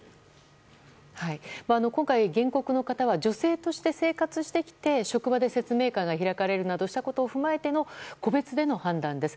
今回、原告の方は女性として生活してきて職場で説明会が開かれるなどをしたうえでの個別での判断です。